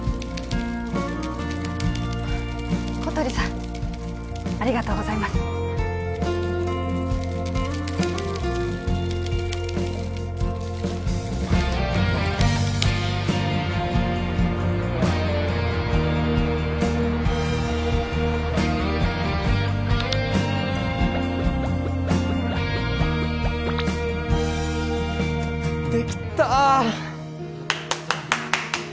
小鳥さんありがとうございますできた！